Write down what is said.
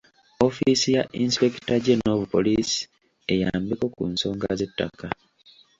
Ofiisi ya Inspector General of Police eyambeko ku nsonga z'ettaka.